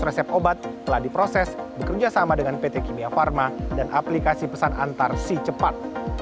kementerian kesehatan juga telah diproses bekerja sama dengan pt kimia pharma dan aplikasi pesan antar si cepat